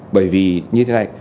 bởi vì như thế này